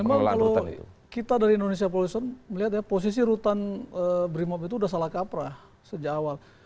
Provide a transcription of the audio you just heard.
memang kalau kita dari indonesia polusion melihat ya posisi rutan brimob itu sudah salah kaprah sejak awal